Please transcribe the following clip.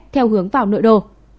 theo hướng vào nội đồ